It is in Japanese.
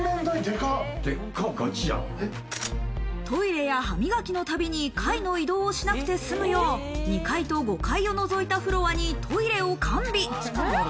トイレや歯磨きのたびに階の移動をしなくて済むよう２階と５階を除いたフロアにトイレを完備。